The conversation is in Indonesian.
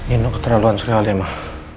ini keterlaluan sekolah lemah